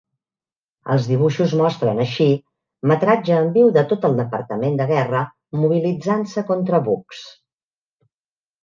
Els dibuixos mostren així metratge en viu de tot el Departament de Guerra mobilitzant-se contra Bugs.